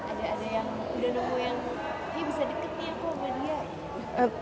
ada yang sudah menemukan yang bisa dekatnya apa bukan dia